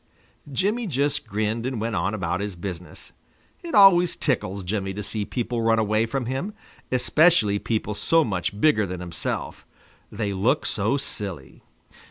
Jimmy just grinned and went on about his business. It always tickles Jimmy to see people run away from him, especially people so much bigger than himself; they look so silly.